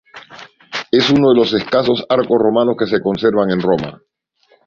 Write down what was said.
Es uno de los escasos arcos romanos que se conservan en Roma.